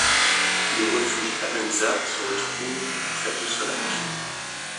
Le refuge Avanzà se trouve près de ce lac.